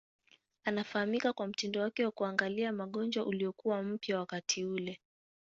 Anafahamika kwa mtindo wake wa kuangalia magonjwa uliokuwa mpya wakati ule.